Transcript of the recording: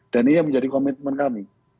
dan ini menjadi komitmen kami